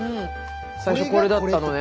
最初これだったのね。